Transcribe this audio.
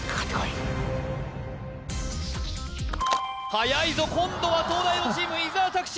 はやいぞ今度は東大王チーム伊沢拓司